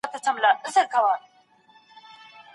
ولي ړوند سړی له ږیري سره ډوډۍ او مڼه اخلي؟